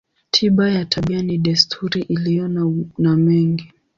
Tiba ya tabia ni desturi iliyo na mengi.